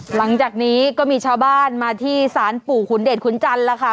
หลังจากนี้ก็มีชาวบ้านมาที่ศาลปู่ขุนเดชขุนจันทร์แล้วค่ะ